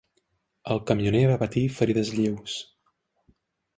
El camioner va patir ferides lleus.